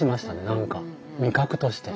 何か味覚として。